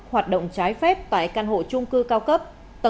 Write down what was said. hoạt động trái phép tại căn hộ trung cư cao cấp